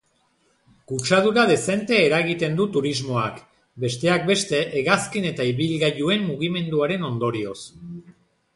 Kutsadura dezente eragiten du turismoak, besteak beste hegazkin eta ibilgailuen mugimenduaren ondorioz.